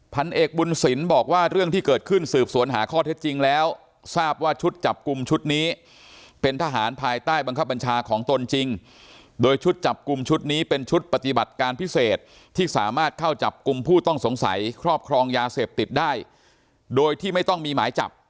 พันเอกบุญศิลป์บอกว่าเรื่องที่เกิดขึ้นสืบสวนหาข้อเท็จจริงแล้วทราบว่าชุดจับกลุ่มชุดนี้เป็นทหารภายใต้บังคับบัญชาของตนจริงโดยชุดจับกลุ่มชุดนี้เป็นชุดปฏิบัติการพิเศษที่สามารถเข้าจับกลุ่มผู้ต้องสงสัยครอบครองยาเสพติดได้โดยที่ไม่ต้องมีหมายจับ